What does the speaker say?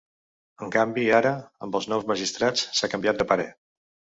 En canvi, ara, amb els nous magistrats s’ha canviat de parer.